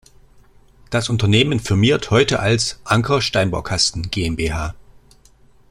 Das Unternehmen firmiert heute als "Anker-Steinbaukasten GmbH".